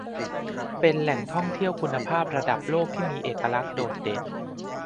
เป็นแหล่งท่องเที่ยวคุณภาพระดับโลกที่มีเอกลักษณ์โดดเด่น